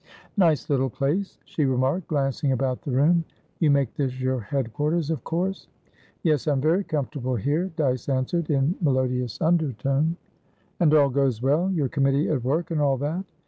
"Nice little place," she remarked, glancing about the room. "You make this your head quarters, of course?" "Yes; I am very comfortable here," Dyce answered, in melodious undertone. "And all goes well? Your committee at work, and all that?"